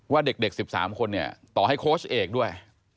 ว่าเด็ก๑๓คนเนี่ยต่อให้โค้ชเอกด้วย